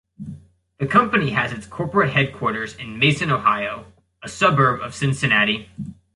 The company has its corporate headquarters in Mason, Ohio, a suburb of Cincinnati.